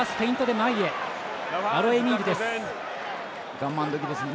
我慢時ですね。